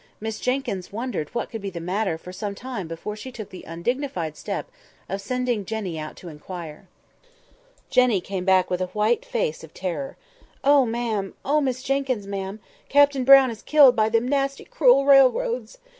Miss Jenkyns wondered what could be the matter for some time before she took the undignified step of sending Jenny out to inquire. Jenny came back with a white face of terror. "Oh, ma'am! Oh, Miss Jenkyns, ma'am! Captain Brown is killed by them nasty cruel railroads!"